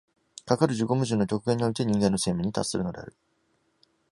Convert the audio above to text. かかる自己矛盾の極限において人間の生命に達するのである。